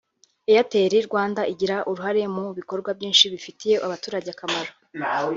Airtel Rwanda igira uruhare mu bikorwa byinshi bifitiye abaturage akamaro